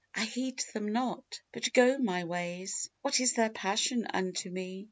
I heed them not, but go my ways: What is their passion unto me!